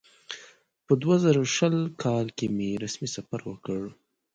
په دوه زره شل کال کې مې رسمي سفر وکړ.